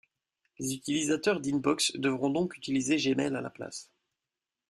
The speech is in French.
Les utilisateurs d'Inbox devront donc utiliser Gmail à la place.